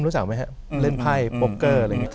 รู้จักมั้ยครับเล่นไพ่โปรเกอร์